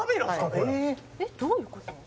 これえっどういうこと？